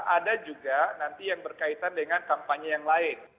ada juga nanti yang berkaitan dengan kampanye yang lain